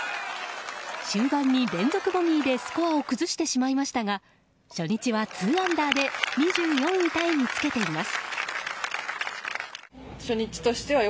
終盤に連続ボギーでスコアを崩してしまいましたが初日は２アンダーで２４位タイにつけています。